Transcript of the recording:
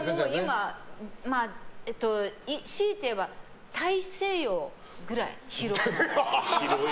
今、強いて言えば大西洋ぐらい広い。